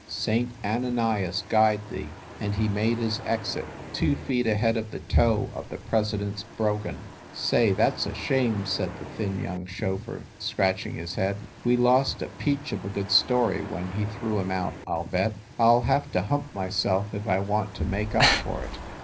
Saint Ananias guide thee!" And he made his exit two feet ahead of the toe of the president s brogan. "Say, that s a shame !" said the thin young chauf feur, scratching his head. "We lost a peach of a good story when he threw him out, I ll bet! I ll have to hump myself if I want to make up for it.